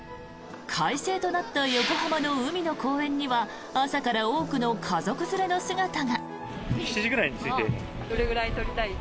快晴となった横浜の海の公園には朝から多くの家族連れの姿が。